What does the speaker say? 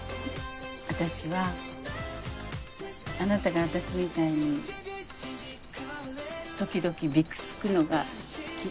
あたしはあなたがあたしみたいに時々びくつくのが好き